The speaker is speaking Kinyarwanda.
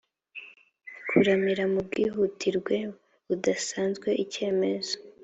kuramira mu bwihutirwe budasanzwe icyemezo